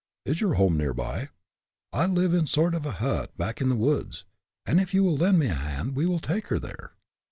Is your home near by?" "I live in a sort of hut back in the woods, and if you will lend a hand we will take her there."